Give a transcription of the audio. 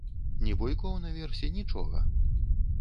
Ні буйкоў наверсе, нічога!